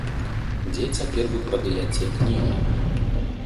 Дзе цяпер вы прадаяце кнігі?